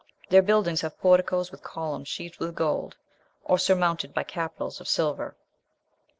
Their buildings have porticos with columns sheathed with gold, or surmounted by capitals of silver.